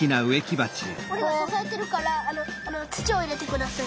おれがささえてるからつちをいれてください。